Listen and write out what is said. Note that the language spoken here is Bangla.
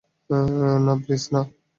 না, প্লীজ, না।